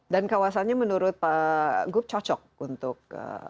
dan kawasannya menurut pak guf cocok untuk